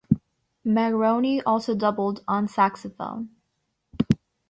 Meghrouni also doubled on saxophone.